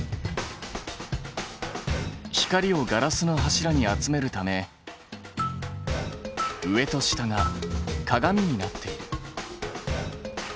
光をガラスの柱に集めるため上と下が鏡になっている。